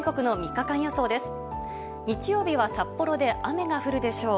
日曜日は札幌で雨が降るでしょう。